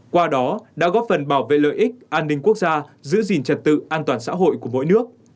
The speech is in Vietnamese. qua đó đã góp phần bảo vệ lợi ích an ninh quốc gia giữ gìn trật tự an toàn xã hội của mỗi nước